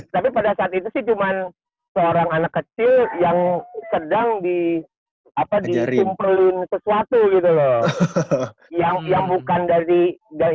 tapi pada saat itu sih cuman seorang anak kecil yang sedang di tumpelin sesuatu gitu loh